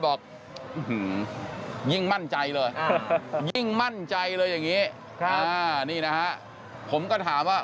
บอกยิ่งมั่นใจเลยยิ่งมั่นใจเลยอย่างนี้นี่นะฮะผมก็ถามว่า